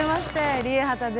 ＲＩＥＨＡＴＡです。